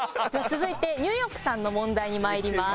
続いてニューヨークさんの問題にまいります。